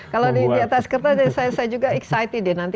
kalau di atas kerta saya juga excited deh nanti